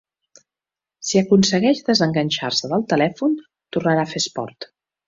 Si aconsegueix desenganxar-se del telèfon tornarà a fer esport.